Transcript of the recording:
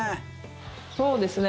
そうですね。